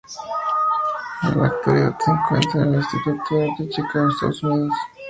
En la actualidad se encuentra en el Instituto de Arte de Chicago, Estados Unidos.